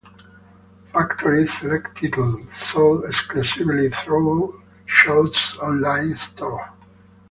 Factory select title, sold exclusively through Shout's online store.